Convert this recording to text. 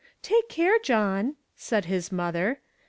" Take care, John !" said his mother.